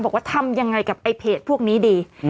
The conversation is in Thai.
ทำยังไงกับไอ้เพจพวกนี้ดี